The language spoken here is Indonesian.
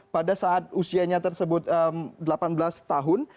pada saat usianya tersebut delapan belas tahun